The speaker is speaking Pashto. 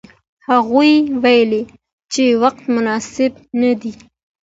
هغوی ویل چې وخت مناسب نه دی.